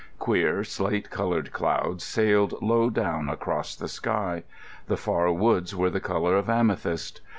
Queer, slate coloured clouds sailed low down across the sky. The far woods were the colour of amethyst.